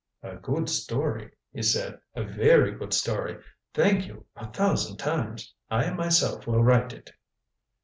"A good story," he said. "A very good story. Thank you, a thousand times. I myself will write it."